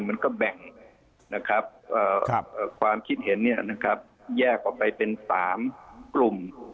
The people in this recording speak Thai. มันก็แบ่งนะครับความคิดเห็นแยกออกไปเป็น๓กลุ่ม